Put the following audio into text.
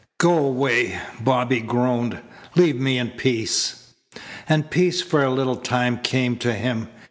"Go away," Bobby groaned. "Leave me in peace." And peace for a little time came to him.